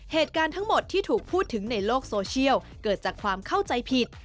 เหตุการณ์ทั้งหมดที่ถูกพูดถึงในโลกโซเชียลเกิดจากความเข้าใจผิด